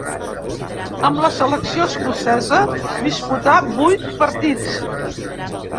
Amb la selecció escocesa disputà vuit partits.